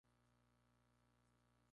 Aseguro a Ud.